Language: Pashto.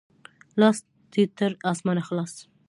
لاس دې تر اسمانه خلاص!